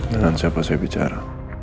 dengan siapa saya bicara